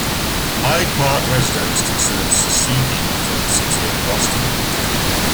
Hyde Park residents considered seceding from the City of Boston.